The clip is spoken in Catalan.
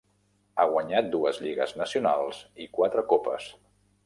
Ha guanyat dues lligues nacionals i quatre copes.